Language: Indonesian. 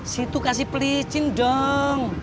situ kasih pelicin dong